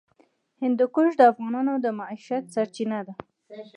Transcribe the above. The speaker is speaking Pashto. هندوکش د افغانانو د معیشت سرچینه ده.